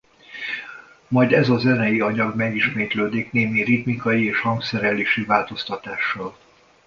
Majd ez a zenei anyag megismétlődik némi ritmikai és hangszerelési változtatással.